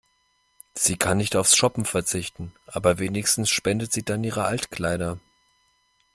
Sie kann nicht aufs Shoppen verzichten, aber wenigstens spendet sie dann ihre Altkleider.